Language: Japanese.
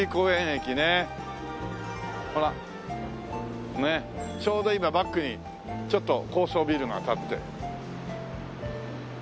ほらちょうど今バックに高層ビルが立って。